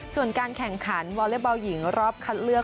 ส่วนการแข่งขันวอเล็กบอลหญิงรอบคัดเลือก